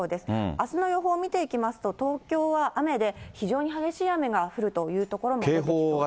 あすの予報見ていきますと、東京は雨で、非常に激しい雨が降るという所も出てきそうです。